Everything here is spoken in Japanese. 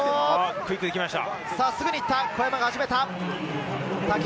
クイックでいきました。